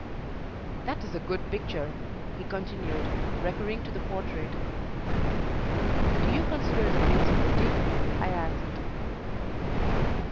"That is a good picture," he continued, recurring to the portrait. "Do you consider the face pretty?" I asked.